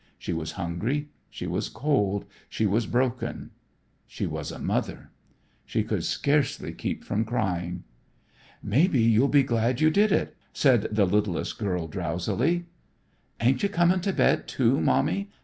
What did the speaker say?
She was hungry, she was cold, she was broken, she was a mother. She could scarcely keep from crying. "Maybe you'll be glad you did it," said the littlest girl drowsily. "Ain't you comin' to bed, too, Mommy?"